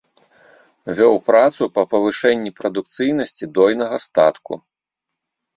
Вёў працу па павышэнні прадукцыйнасці дойнага статку.